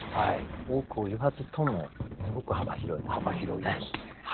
多くを言わずともすごく幅広い句ですよね。